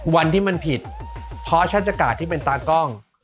วันที่มันผิดเพราะชาติกาศที่เป็นตากล้อง